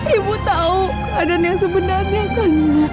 ibu tau keadaan yang sebenarnya kan bu